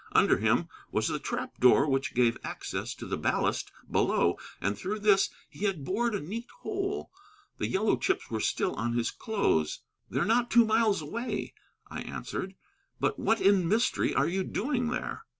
Under him was the trap door which gave access to the ballast below, and through this he had bored a neat hole. The yellow chips were still on his clothes. "They're not two miles away," I answered. "But what in mystery are you doing there?"